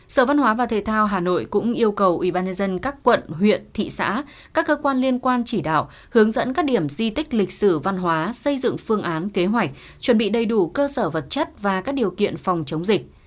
sở văn hóa và thể thao hà nội cũng yêu cầu ubnd các quận huyện thị xã các cơ quan liên quan chỉ đạo hướng dẫn các điểm di tích lịch sử văn hóa xây dựng phương án kế hoạch chuẩn bị đầy đủ cơ sở vật chất và các điều kiện phòng chống dịch